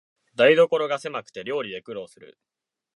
台所がせまくて料理で苦労する